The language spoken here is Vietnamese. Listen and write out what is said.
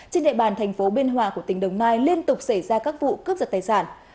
trên đệ bàn tp biên hòa của tỉnh đồng nai liên tục xảy ra các vụ cướp giật tài sản